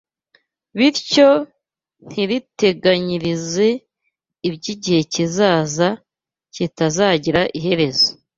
bityo ntiriteganyirize iby’igihe kizaza kitazagira iherezo